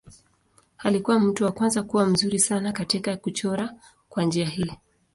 Alikuwa mtu wa kwanza kuwa mzuri sana katika kuchora kwa njia hii.